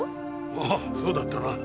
ああそうだったな。